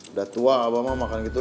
udah tua abah mah makan gitu